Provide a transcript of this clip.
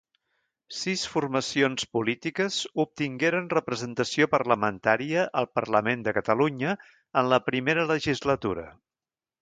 Sis formacions polítiques obtingueren representació parlamentària al parlament de Catalunya en la Primera Legislatura.